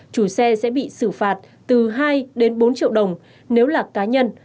chủ xe sẽ bị xử phạt từ hai đến bốn triệu đồng nếu là cá nhân